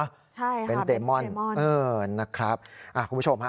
ใช่ค่ะเบนส์เตรมอนนะครับคุณผู้ชมค่ะ